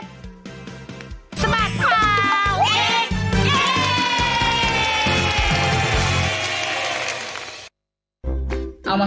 สมัดข่าวเด็ก